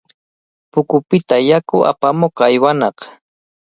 Pukyupita yaku apamuq aywanaq.